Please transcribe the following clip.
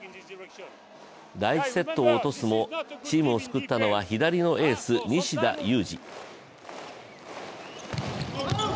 第１セットを落とすも、チームを救ったのは左のエース・西田有志。